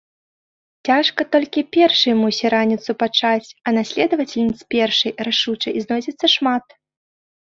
Цяжка толькі першай мусе раніцу пачаць, а наследавальніц першай, рашучай, знойдзецца шмат.